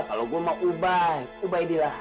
kalau gua mau ubah ubah ini lah